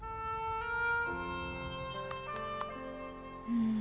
うん。